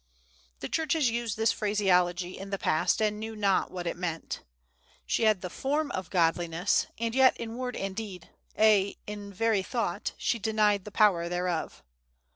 The Church has used this phraseology in the past, and knew not what it meant. She had "the form of Godliness," and yet in word and deed, ay, in very thought, she "denied the power thereof."